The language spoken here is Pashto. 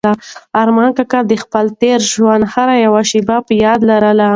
ارمان کاکا د خپل تېر ژوند هره یوه شېبه په یاد لرله.